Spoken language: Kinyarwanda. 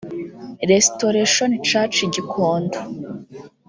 Resitoration Church Gikondo